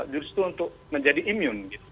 justru untuk menjadi imun